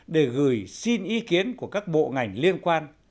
để gửi xin ý kiến của các bộ ngành liên quan